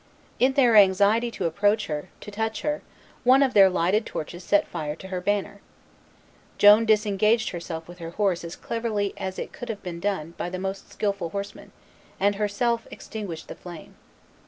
In their anxiety to approach her, to touch her, one of their lighted torches set fire to her banner. Joan disengaged herself with her horse as cleverly as it could have been done by the most skilful horseman, and herself extinguished the flame.